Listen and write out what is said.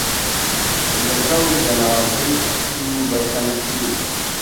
لەگەڵ جەنازەی ئەچوو بە تەمکین